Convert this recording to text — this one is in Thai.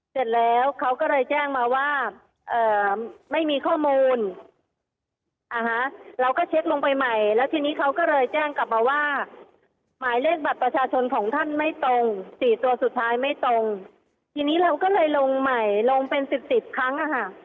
เสร็จแล้วเขาก็เลยแจ้งมาว่าไม่มีข้อมูลนะคะเราก็เช็คลงไปใหม่แล้วทีนี้เขาก็เลยแจ้งกลับมาว่าหมายเลขบัตรประชาชนของท่านไม่ตรงสี่ตัวสุดท้ายไม่ตรงทีนี้เราก็เลยลงใหม่ลงเป็นสิบสิบครั้งอ่ะค่ะ